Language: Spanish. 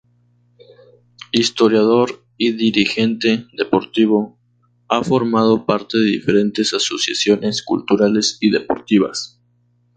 Historiador y dirigente deportivo, ha formado parte de diferentes asociaciones culturales y deportivas.